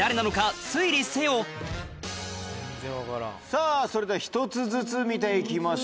さぁそれでは１つずつ見て行きましょう。